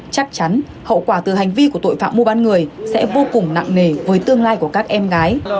chắc chắn hậu quả từ hành vi của tội phạm mua bán người sẽ vô cùng nặng nề với tương lai của các em gái